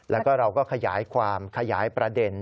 แล้วก็เราก็ขยายความขยายประเด็น